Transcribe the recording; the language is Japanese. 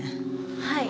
はい。